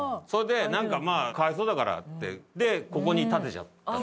それでなんかまあかわいそうだからってでここに立てちゃった。